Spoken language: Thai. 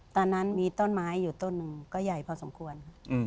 ตอนนั้นมีต้นไม้อยู่ต้นหนึ่งก็ใหญ่พอสมควร